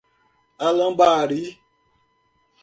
Alambari